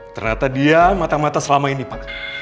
ternyata dia matang mata selama ini pak